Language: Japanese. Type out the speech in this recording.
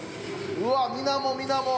うわっみなもみなも。